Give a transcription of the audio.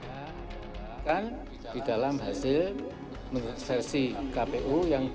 kan di dalam hasil versi kpu yang di